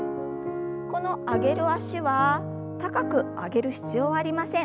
この上げる脚は高く上げる必要はありません。